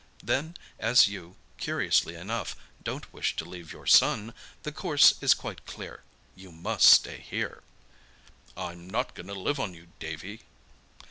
Then, as you, curiously enough, don't wish to leave your son, the course is quite clear—you must stay here." "I'm not going to live on you, Davy."